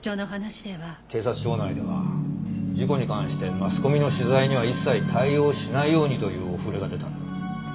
警察庁内では事故に関してマスコミの取材には一切対応しないようにというお触れが出たんだ。